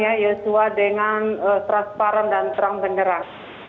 ya yosua dengan transparan dan terang beneran